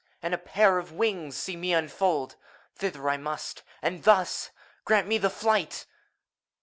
— and a pair of wings See me unfold! Thither! I must! — and thus! Grant me the flight